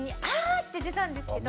って出たんですけど。